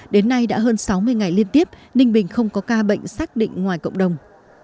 đến nay đã hơn sáu mươi ngày liên tiếp ninh bình không có ca bệnh xác định ngoài cộng đồng